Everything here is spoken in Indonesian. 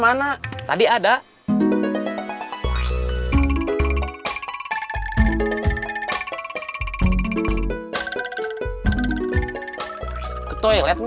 ledang ledang ledang